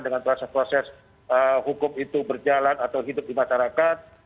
dengan proses proses hukum itu berjalan atau hidup di masyarakat